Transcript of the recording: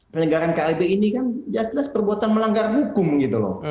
penegaran klb ini kan jelas jelas perbuatan melanggar hukum gitu loh